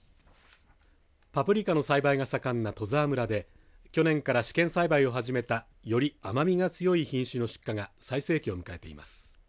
パプリカの栽培が盛んな戸沢村で去年から試験栽培を始めたより甘みが強い品種の出荷が最盛期を迎えています。